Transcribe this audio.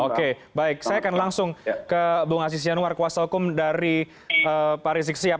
oke baik saya akan langsung ke bung aziz yanuar kuasa hukum dari pak rizik sihab